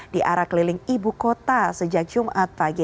di arah keliling ibu kota sejak jumat pagi